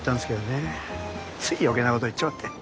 ねつい余計なこと言っちまって。